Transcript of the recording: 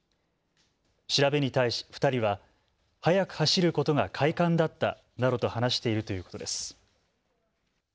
調べに対し２人は速く走ることが快感だったなどと話しているということです。